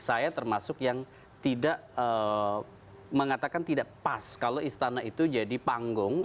saya termasuk yang tidak mengatakan tidak pas kalau istana itu jadi panggung